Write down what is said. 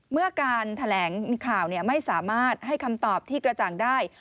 เมื่อการแถลงข่าวไม่สามารถให้คำตอบที่กระจ่างได้